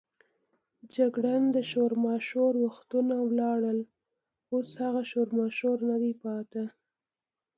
جګړن: د شورماشور وختونه ولاړل، اوس هغه شورماشور نه دی پاتې.